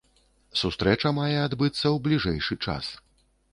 Сустрэча мае адбыцца ў бліжэйшы час.